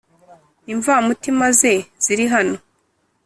imvamutima ze ziri hano